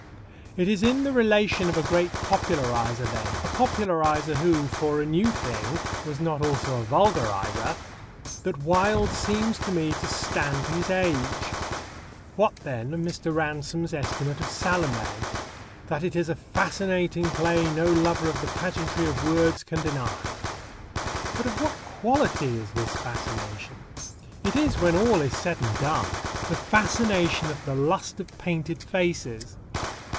It is in the relation of a great popularizer, then a popularizer who, for a new thing, was not also a vulgarizer that Wilde seems to me to stand to his age. What, then, of Mr. Ransome's estimate of Salomé? That it is a fascinating play no lover of the pageantry of words can deny. But of what quality is this fascination? It is, when all is said and done, the fascination of the lust of painted faces.